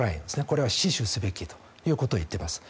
これは死守すべきということを言っています。